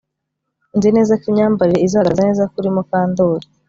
Nzi neza ko imyambarire izagaragara neza kuri Mukandoli